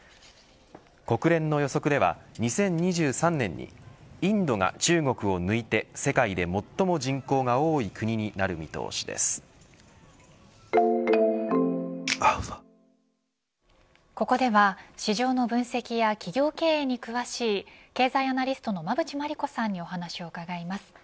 国連の予測では２０２３年にインドが、中国を抜いて世界で最も人口が多い国にここでは市場の分析や企業経営に詳しい経済アナリストの馬渕磨理子さんにお話を伺います。